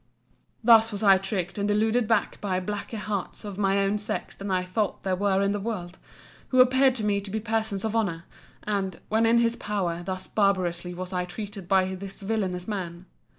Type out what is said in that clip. Thus was I tricked and deluded back by blacker hearts of my own sex than I thought there were in the world; who appeared to me to be persons of honour; and, when in his power, thus barbarously was I treated by this villanous man!